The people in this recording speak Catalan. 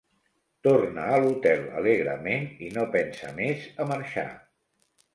Torna a l'hotel alegrement i no pensa més a marxar.